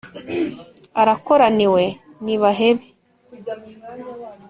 arakoraniwe nibahebe.